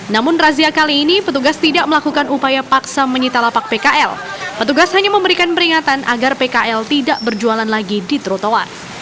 namun razia kali ini petugas tidak melakukan upaya paksa menyita lapak pkl petugas hanya memberikan peringatan agar pkl tidak berjualan lagi di trotoar